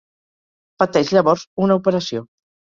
Pateix llavors una operació.